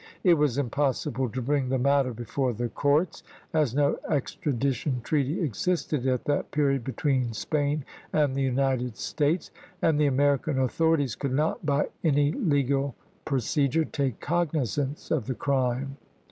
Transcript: It was impossible to bring the matter before the courts, as no extradition treaty existed at that period between Spain and the United States, and the American authorities could not by any legal procedure take cognizance of the crime.